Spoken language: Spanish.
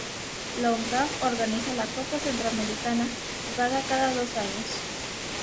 La Uncaf organiza la Copa Centroamericana, jugada cada dos años.